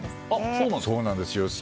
そうなんですよ。